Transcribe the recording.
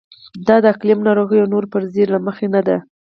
دا د اقلیم، ناروغیو او نورو فرضیې له مخې نه ده.